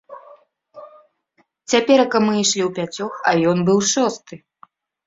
Цяперака мы ішлі ўпяцёх, а ён быў шосты.